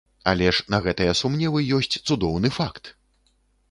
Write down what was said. Але ж на гэтыя сумневы ёсць цудоўны факт!